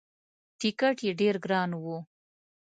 ټکت یې ډېر ګران وو.